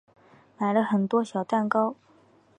买了很多小蛋糕